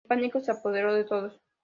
El pánico se apoderó de todos.